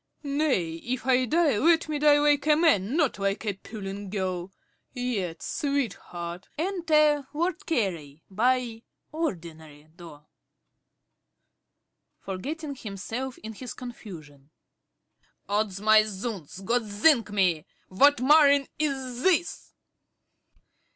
Nay, if I die, let me die like a man, not like a puling girl. Yet, sweetheart Enter Lord Carey by ordinary door. ~Carey~ (forgetting himself in his confusion). Odds my zounds, dod sink me! What murrain is this?